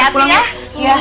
ya kita pulang ya